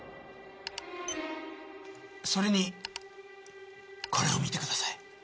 それにこれを見てください。